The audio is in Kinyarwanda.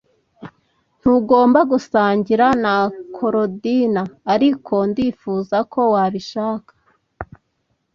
Ntugomba gusangira na Korodina, ariko ndifuza ko wabishaka.